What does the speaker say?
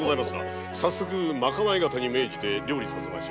早速賄い方に命じて料理をさせましょう。